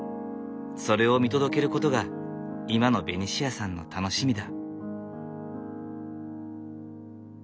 それを見届けることが今のベニシアさんの楽しみだ。